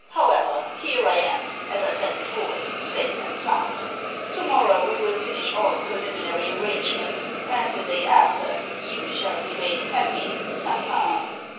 However, here I am, as I said before, safe and sound. To morrow we will finish all preliminary arrangements, and the day after you shall be made happy ha! ha!"